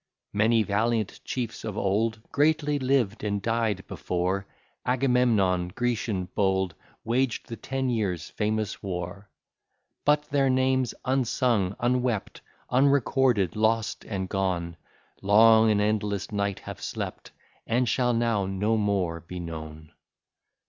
Many valiant chiefs of old Greatly lived and died before Agamemnon, Grecian bold, Waged the ten years' famous war. But their names, unsung, unwept, Unrecorded, lost and gone, Long in endless night have slept, And shall now no more be known.